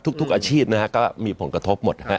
ทุกสิ่งอาชีพก็มีผลกระทบหมด